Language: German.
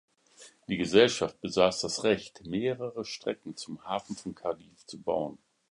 Die Gesellschaft besaß das Recht mehrere Strecken zum Hafen von Cardiff zu bauen.